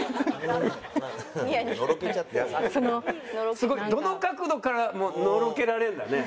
すごいどの角度からものろけられるんだね。